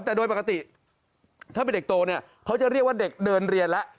แต่โดยปกติถ้าเป็นเด็กโตเนี่ยเขาจะเรียกว่าเด็กเดินเรียนแล้ว